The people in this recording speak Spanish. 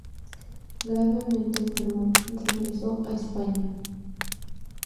Gravemente enfermo, regresó a España.